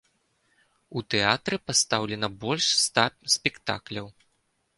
У тэатры пастаўлена больш ста спектакляў.